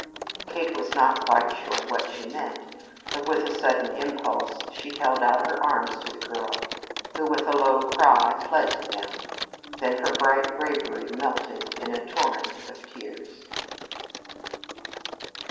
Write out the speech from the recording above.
Kate was not quite sure what she meant, but with a sudden impulse she held out her arms to the girl, who, with a low cry, fled to them. Then her bright bravery melted in a torrent of tears.